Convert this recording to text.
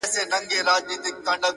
هره ورځ د فرصتونو خزانه ده،